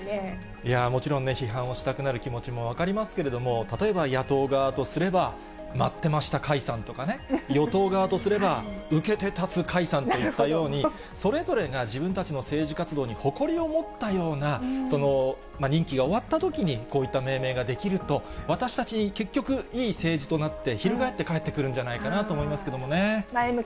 いやー、もちろん、批判をしたくなる気持ちも分かりますけれども、例えば野党側とすれば、待ってました解散とかね、与党側とすれば、受けて立つ解散といったように、それぞれが自分たちの政治活動に誇りを持ったような、任期が終わったときに、こういった命名ができると、私たち、結局いい政治となって、ひるがえって返ってくるんじゃないかと思いますけどね。